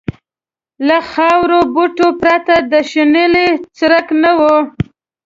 له خارو بوټو پرته د شنیلي څرک نه و.